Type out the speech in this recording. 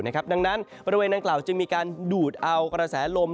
ดังนั้นบริเวณดังกล่าวจึงมีการดูดเอากระแสลม